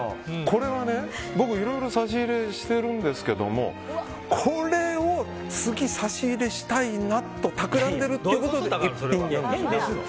これはね、僕いろいろ差し入れしてるんですがこれを次、差し入れしたいなと企んでいるということ。